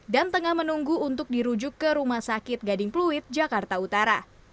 dan tengah menunggu untuk dirujuk ke rumah sakit gading pluit jakarta utara